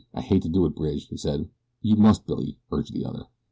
"I hate to do it, Bridge," he said. "You must, Billy," urged the other.